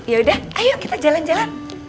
yaudah ayo kita jalan jalan